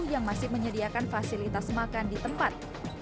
yang masih menyediakan fasilitas makan di tempat